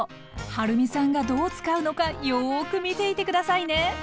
はるみさんがどう使うのかよく見ていて下さいね！